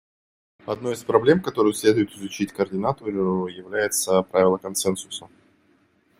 Одной из проблем, которую следует изучить координатору, является правило консенсуса.